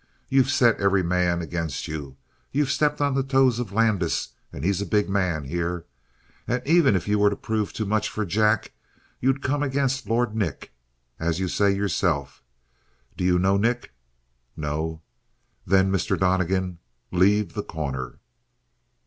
You've set every man against you. You've stepped on the toes of Landis and he's a big man here. And even if you were to prove too much for Jack you'd come against Lord Nick, as you say yourself. Do you know Nick?" "No." "Then, Mr. Donnegan, leave The Corner!"